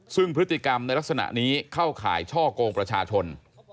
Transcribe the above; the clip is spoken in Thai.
ซึ่งพฤติกรรมในลักษณะนี้เข้าข่ายช่อกงประชาชน